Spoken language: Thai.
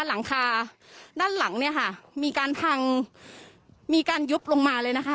หลังคาด้านหลังเนี่ยค่ะมีการพังมีการยุบลงมาเลยนะคะ